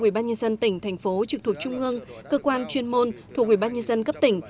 ubnd tỉnh thành phố trực thuộc trung ương cơ quan chuyên môn thuộc ubnd cấp tỉnh